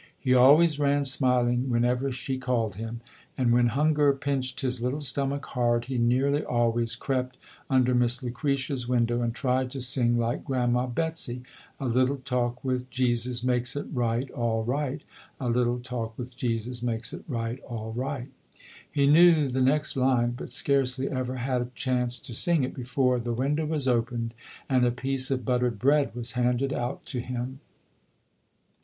He always ran smil ing whenever she called him. And when hunger pinched his little stomach hard, he nearly always crept under Miss Lueretia's window and tried to sing like Grandma Betsy : A little talk with Jesus makes it right, all right. A little talk with Jesus makes it right, all right. He knew the next line but scarcely ever had chance to sing it before the window was opened and a piece of buttered bread was handed out to him.